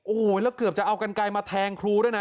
โอ้โหแล้วเกือบจะเอากันไกลมาแทงครูด้วยนะ